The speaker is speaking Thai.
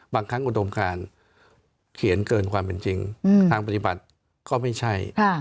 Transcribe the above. บางครั้งอุดมการเขียนเกินความเป็นจริงทางปฏิบัติก็ไม่ใช่